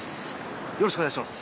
よろしくお願いします。